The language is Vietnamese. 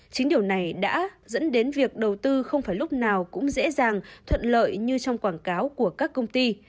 chính điều này đã dẫn đến việc đầu tư không phải lúc nào cũng dễ dàng thuận lợi như trong quảng cáo của các công ty